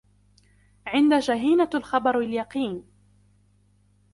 عند جهينة الخبر اليقين.